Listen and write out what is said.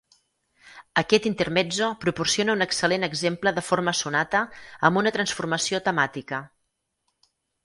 Aquest intermezzo proporciona un excel·lent exemple de forma sonata amb una transformació temàtica.